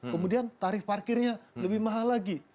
kemudian tarif parkirnya lebih mahal lagi